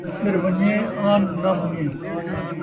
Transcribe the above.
سر ون٘ڄے آن ناں ون٘ڄے